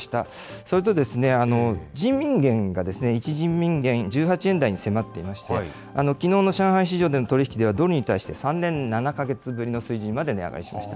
それと、人民元が１人民元１８円台に迫っていまして、きのうの上海市場での取り引きでは、ドルに対して、３年７か月ぶりの水準まで値上がりしました。